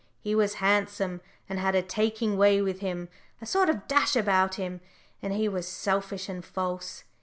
He was handsome, and had a taking way with him a sort of dash about him, and he was selfish and false.